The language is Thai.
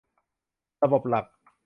ระบบหลัก